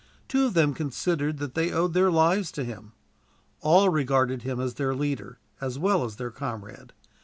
Two of them considered that they owed their lives to him. All regarded him as their leader, as well as their comrade.